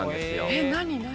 えっ何何？